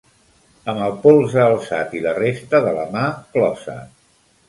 Amb el polze alçat i la resta de la mà closa.